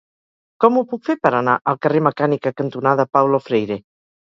Com ho puc fer per anar al carrer Mecànica cantonada Paulo Freire?